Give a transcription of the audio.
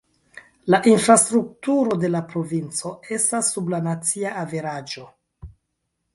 La infrastrukturo de la provinco estas sub la nacia averaĝo.